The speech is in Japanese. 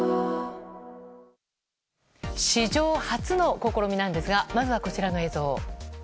史上初の試みなんですがまずはこちらの映像。